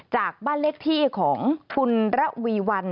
จากบ้านเลขที่ของคุณระวีวัน